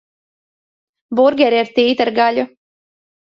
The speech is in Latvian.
Burgeri ar tītara gaļu.